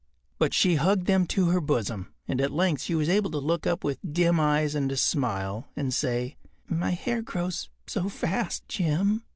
But she hugged them to her bosom, and at length she was able to look up with dim eyes and a smile and say: “My hair grows so fast, Jim!